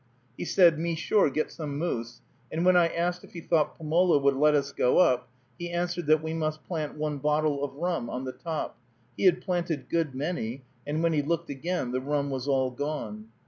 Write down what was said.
He said, "Me sure get some moose;" and when I asked if he thought Pomola would let us go up, he answered that we must plant one bottle of rum on the top; he had planted good many; and when he looked again, the rum was all gone.